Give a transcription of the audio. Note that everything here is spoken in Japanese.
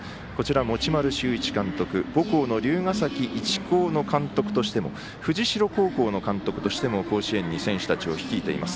持丸修一監督母校の竜ヶ崎一高の監督としても藤代高校の監督としても甲子園に選手たちを率いています。